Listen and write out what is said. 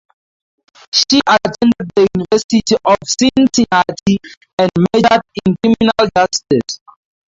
She attended the University of Cincinnati, and majored in Criminal Justice.